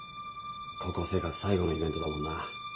高校生活最後のイベントだもんな？